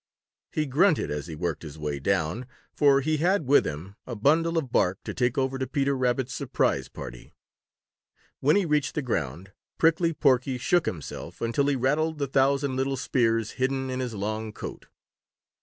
He grunted as he worked his way down, for he had with him a bundle of bark to take over to Peter Rabbit's surprise party. When he reached the ground, Prickly Porky shook himself until he rattled the thousand little spears hidden in his long coat.